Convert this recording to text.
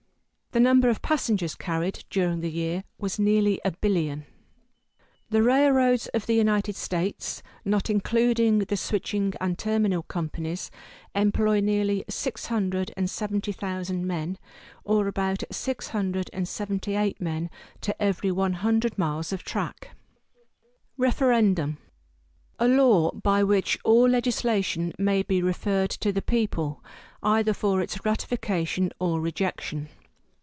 The number of passengers carried during the year was nearly a billion. The railroads of the United States, not including the switching and terminal companies, employ nearly 670,000 men, or about 678 men to every 100 miles of track. =Referendum.= A law by which all legislation may be referred to the people, either for its ratification or rejection.